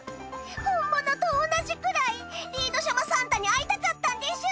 本物と同じくらいリード様サンタに会いたかったんでしゅ！